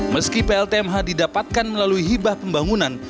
meski pltmh didapatkan melalui hibah pembangunan